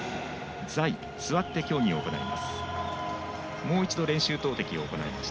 座位、座って競技を行います。